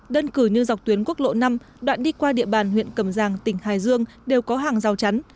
đơn cử như dọc tuyến quốc lộ năm đoạn đi qua địa bàn huyện cầm giang tỉnh hải dương đều có hàng rào chắn